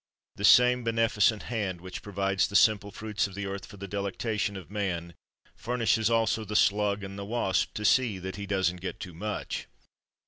The same beneficent hand which provides the simple fruits of the earth for the delectation of man, furnishes also the slug and the wasp, to see that he doesn't get too much.